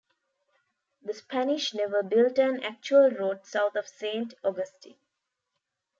The Spanish never built an actual road south of Saint Augustine.